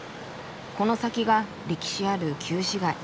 この先が歴史ある旧市街。